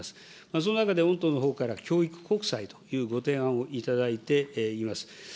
その中で御党のほうから、教育国債というご提案をいただいています。